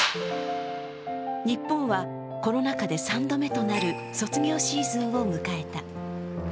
日本はコロナ禍で３度目となる卒業シーズンを迎えた。